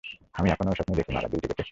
আমি এখনও ঐ স্বপ্নই দেখছি মাগার দুই টিকেটে?